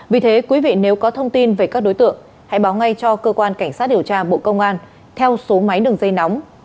vì thế quý vị nếu có thông tin về các đối tượng hãy báo ngay cho cơ quan cảnh sát điều tra bộ công an theo số máy đường dây nóng